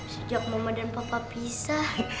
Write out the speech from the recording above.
sejak mama dan papa pisah